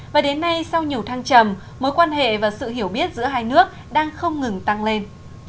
và đến nay sau nhiều thăng trầm mối quan hệ và sự hiểu biết giữa hai nước đang không ngừng tăng lên